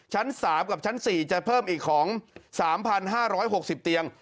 ชั้น๓กับชั้น๔จะเพิ่มอีกของ๓๕๖๐เตียง